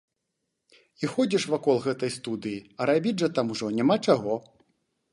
І ходзіш вакол гэтай студыі, а рабіць жа там ужо няма чаго.